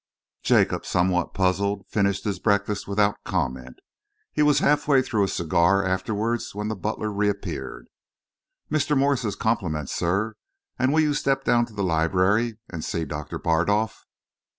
Jacob, somewhat puzzled, finished his breakfast without comment. He was halfway through a cigar afterwards when the butler reappeared. "Mr. Morse's compliments, sir, and will you step down to the library and see Doctor Bardolf?"